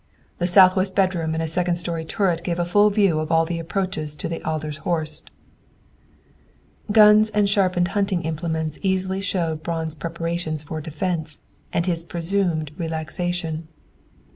"The southwest bedroom and second story turret gave a view of all of the approaches to the Adler's Horst." Guns and sharpened hunting implements easily showed Braun's preparations for defense, and his presumed relaxation.